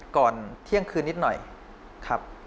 ก่อนเที่ยงคืนนิดหน่อยครับ